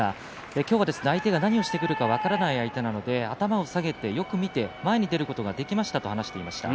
今日は相手が何をしてくるか分からないので頭を下げてよく見て前に出ることができましたと話していました。